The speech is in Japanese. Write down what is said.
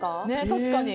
確かに。